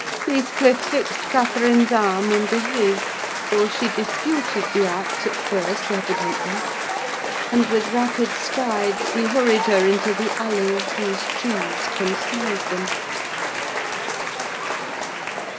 Heathcliff fixed Catherine's arm under his: though she disputed the act at first evidently; and with rapid strides he hurried her into the alley, whose trees concealed them.